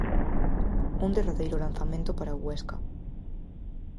Un derradeiro lanzamento para o Huesca.